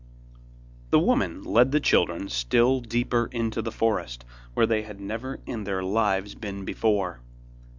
The woman led the children still deeper into the forest, where they had never in their lives been before.